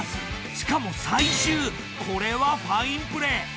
しかも最終これはファインプレー。